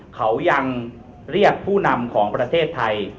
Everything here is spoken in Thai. เขายังเรียกผู้นำของประเทศไทย